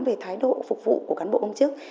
về thái độ phục vụ của cán bộ công chức